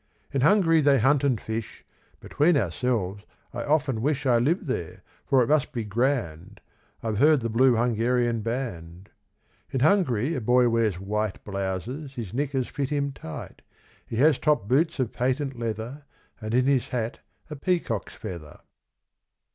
In Hungary they hunt and fish; Between ourselves, I often wish I lived there, for it must be grand; I've heard the Blue Hungarian Band. In Hungary a boy wears white Blouses, his knickers fit him tight, He has top boots of patent leather, And in his hat a peacock's feather.